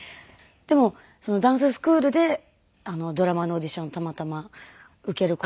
でもそのダンススクールでドラマのオーディションたまたま受ける事にはい。